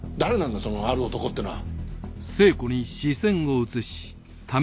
そのある男ってのは？